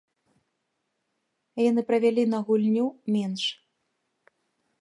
Яны правялі на гульню менш.